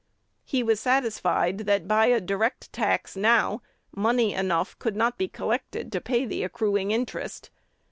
He was satisfied, that, by a direct tax now, money enough could not be collected to pay the accruing interest.